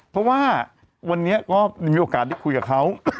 เพราะว่าวันนี้ก็มีโอกาสได้คุยกับเขา